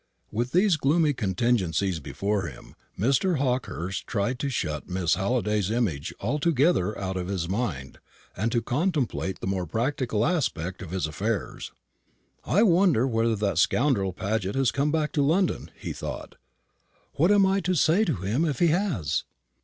With these gloomy contingencies before him, Mr. Hawkehurst tried to shut Miss Halliday's image altogether out of his mind, and to contemplate the more practical aspect of his affairs. "I wonder whether that scoundrel Paget has come back to London?" he thought. "What am I to say to him if he has?